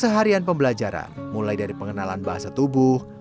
keseharian pembelajaran mulai dari pengenalan bahasa tubuh